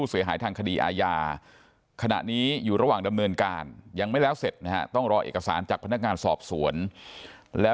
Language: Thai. ครอบครัวไม่ได้อาฆาตแต่มองว่ามันช้าเกินไปแล้วที่จะมาแสดงความรู้สึกในตอนนี้